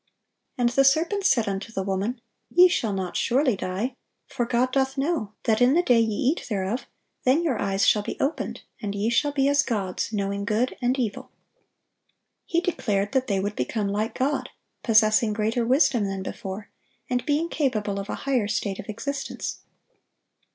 And the serpent said unto the woman, Ye shall not surely die: for God doth know that in the day ye eat thereof, then your eyes shall be opened, and ye shall be as gods, knowing good and evil."(931) He declared that they would become like God, possessing greater wisdom than before, and being capable of a higher state of existence.